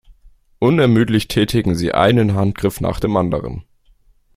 Unermüdlich tätigen sie einen Handgriff nach dem anderen.